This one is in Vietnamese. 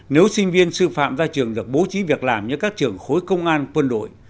nếu sinh viên sư phạm ra trường được bố trí việc làm như các trường khối công an quân đội